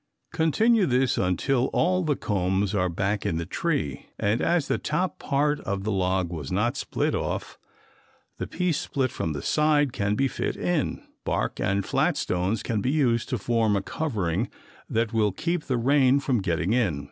Continue this until all the combs are back in the tree, and as the top part of the log was not split off, the piece split from the side can be fit in, bark and flat stones can be used to form a covering that will keep the rain from getting in.